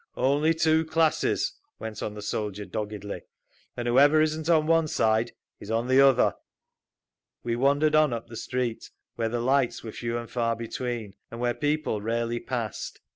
"—only two classes," went on the soldier, doggedly. "And whoever isn't on one side is on the other…" We wandered on up the street, where the lights were few and far between, and where people rarely passed.